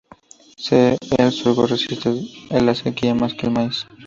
El sorgo resiste la sequía más que el maíz.